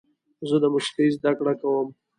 زه د موسیقۍ زده کړه کوم.